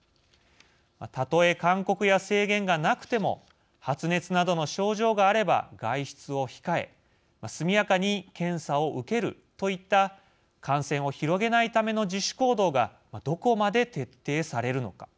たとえ勧告や制限がなくても発熱などの症状があれば外出を控え速やかに検査を受けるといった感染を広げないための自主行動がどこまで徹底されるのか。